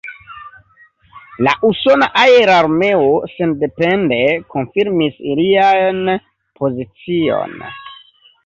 La Usona Aerarmeo sendepende konfirmis ilian pozicion.